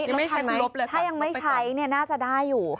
ลบทันไหมถ้ายังไม่ใช้เนี่ยน่าจะได้อยู่ลบไปก่อน